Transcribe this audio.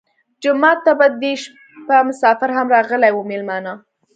جومات ته په دې شپه مسافر هم راغلي وو مېلمانه.